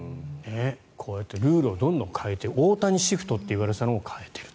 こうやってルールをどんどん変えて大谷シフトって言われていたのも変えていると。